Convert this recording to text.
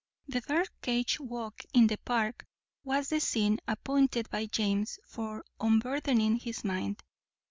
The Birdcage walk in the Park was the scene appointed by James for unburthening his mind.